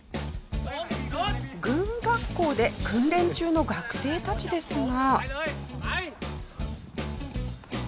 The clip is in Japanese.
軍学校で訓練中の学生たちですが。